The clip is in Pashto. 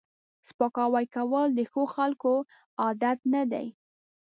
سپکاوی کول د ښو خلکو عادت نه دی